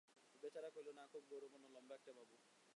বেহারা কহিল, না, খুব গৌরবর্ণ, লম্বা একটি বাবু।